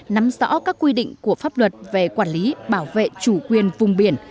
nắm rõ các quy định của pháp luật về quản lý bảo vệ chủ quyền vùng biển